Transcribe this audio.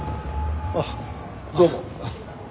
あっどうも。